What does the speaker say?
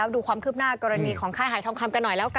ดูความคืบหน้ากรณีของค่ายหายทองคำกันหน่อยแล้วกัน